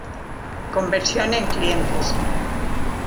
Conversión en clientes.